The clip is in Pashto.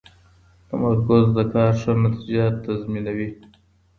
تمرکز د کار ښه نتیجه تضمینوي.